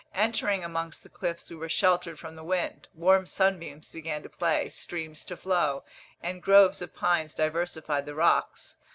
Entering amongst the cliffs, we were sheltered from the wind, warm sunbeams began to play, streams to flow, and groves of pines diversified the rocks.